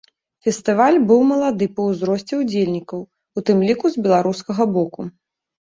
Фестываль быў малады па ўзросце ўдзельнікаў, у тым ліку з беларускага боку.